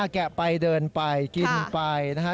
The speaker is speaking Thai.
แกะไปเดินไปกินไปนะฮะ